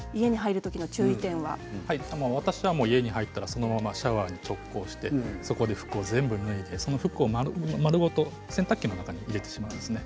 私は家に入ったらそのままシャワーに直行して服を全部脱いで服を丸ごと洗濯機の中に入れてしまいますね。